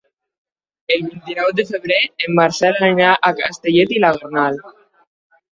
El vint-i-nou de febrer en Marcel anirà a Castellet i la Gornal.